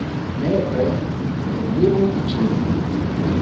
Nepre eniru ĝin!